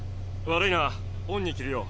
悪いな恩に着るよ。